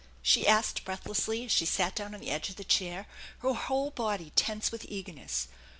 she asked breathlessly as she sat down on the edge of the chair, her whole body tense with eagerness.